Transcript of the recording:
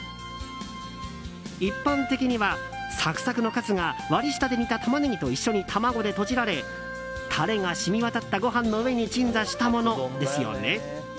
一般的にはサクサクのカツが割り下で煮たタマネギと一緒に卵でとじられタレが染み渡ったご飯の上に鎮座したものですよね？